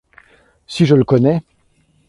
Si je le connais !…